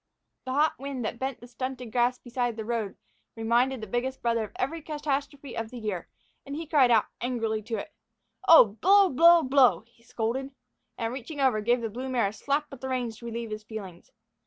The hot wind that bent the stunted grass beside the road reminded the biggest brother of every catastrophe of the year, and he cried out angrily to it. "Oh, blow! blow! blow!" he scolded, and, reaching over, gave the blue mare a slap with the reins to relieve his feelings.